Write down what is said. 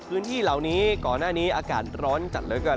พื้นที่เหล่านี้ก่อนหน้านี้อากาศร้อนจัดเหลือเกิน